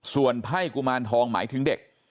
ส่วนไพ่กุมารทองหมายถึงเด็ก